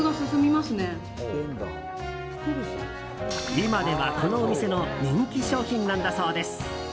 今では、このお店の人気商品なんだそうです。